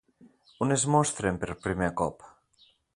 On es mostren per primer cop?